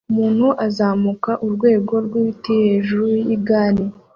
Umuntu azamuka urwego rwibiti hejuru yigitare